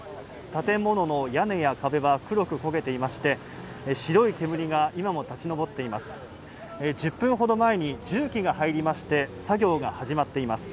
建物の屋根や壁は黒く焦げていまして、白い煙が今も立ち上っています。